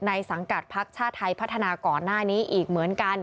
สังกัดพักชาติไทยพัฒนาก่อนหน้านี้อีกเหมือนกัน